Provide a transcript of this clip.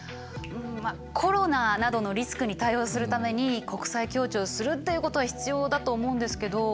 コロナなどのリスクに対応するために国際協調するっていうことは必要だと思うんですけど。